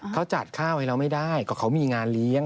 เขาจัดข้าวให้เราไม่ได้ก็เขามีงานเลี้ยง